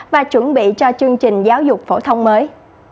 và chuẩn bị cho chương trình giáo dục phổ thông mới